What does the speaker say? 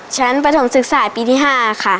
ชั้นประถมศึกษาปีที่๕ค่ะ